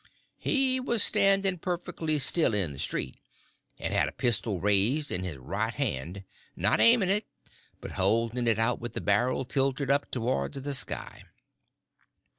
He was standing perfectly still in the street, and had a pistol raised in his right hand—not aiming it, but holding it out with the barrel tilted up towards the sky.